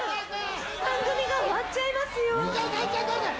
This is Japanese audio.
番組が終わっちゃいますよ。